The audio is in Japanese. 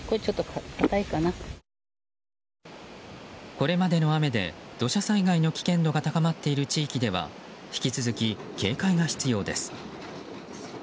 これまでの雨で土砂災害の危険度が高まっている地域では引き続き警戒が必要です。